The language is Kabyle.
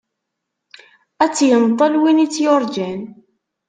Ad tt-yenṭel win i tt-yurğan.